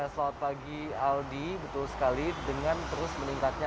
selamat pagi aldi betul sekali dengan terus meningkatnya